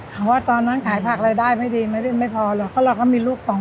ถ้าว่าตอนนั้นขายผักรายได้ไม่ดีไม่พอหรอกเราก็มีลูก๒คน